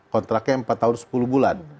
kontraknya empat tahun sepuluh bulan